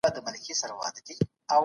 هغې دا پوهه په وړیا توګه ترلاسه کړه.